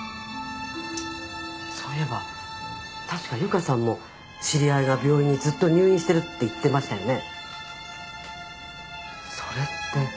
そういえば確か由香さんも知り合いが病院にずっと入院してるって言ってましたよね